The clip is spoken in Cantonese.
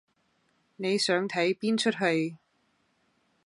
你想睇邊齣戲？